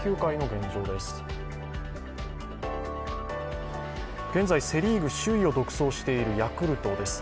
現在、セ・リーグ首位を独走しているヤクルトです。